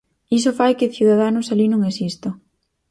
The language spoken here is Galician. Iso fai que Ciudadanos alí non exista.